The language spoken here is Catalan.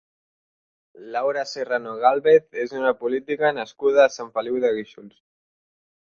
Laura Serrano Gálvez és una política nascuda a Sant Feliu de Guíxols.